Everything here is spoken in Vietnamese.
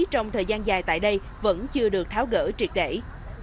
trong thời gian dài tại đây vẫn chưa được tháo gỡ triệt để